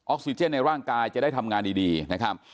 ซิเจนในร่างกายจะได้ทำงานดีนะครับ